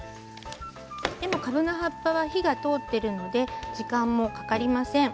かぶの葉っぱは火が通っているので時間もかかりません。